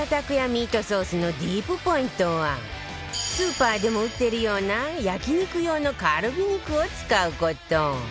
ミートソースの ＤＥＥＰ ポイントはスーパーでも売ってるような焼肉用のカルビ肉を使う事